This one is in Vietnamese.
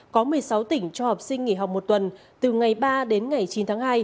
có một mươi sáu tỉnh cho học sinh nghỉ học một tuần từ ngày ba đến ngày chín tháng hai